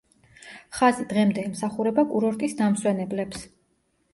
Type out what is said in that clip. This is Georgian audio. ხაზი დღემდე ემსახურება კურორტის დამსვენებლებს.